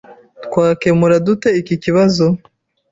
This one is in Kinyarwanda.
Twakemura dute iki kibazo?